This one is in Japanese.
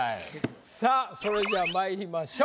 さぁそれじゃあまいりましょう。